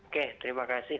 oke terima kasih